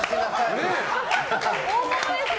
大物ですね。